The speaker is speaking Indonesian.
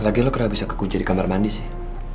lagi lo kena bisa kekunci di kamar mandi sih